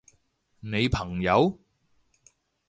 你朋友？